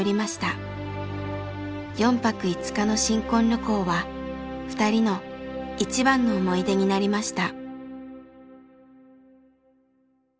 ４泊５日の新婚旅行は２人の一番の思い出になりました。